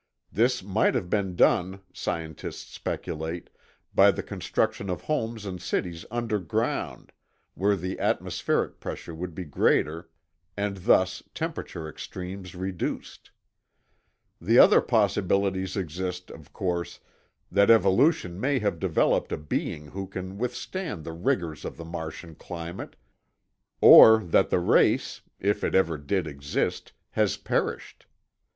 This might have been done, scientists speculate, by the construction of homes and cities underground where the atmospheric pressure would be greater and thus temperature extremes reduced. The other possibilities exist, of course, that evolution may have developed a being who can withstand the rigors of the Martian climate, or that the race—if it ever did exist—has perished.